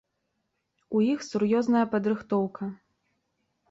У іх сур'ёзная падрыхтоўка.